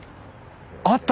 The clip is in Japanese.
あった！